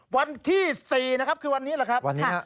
วันที่๔คือวันนี้หรอครับ